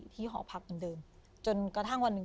ที่หอพักเหมือนเดิมจนกระทั่งวันหนึ่ง